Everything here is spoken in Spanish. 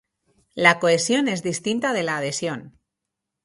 La cohesión es distinta de la adhesión.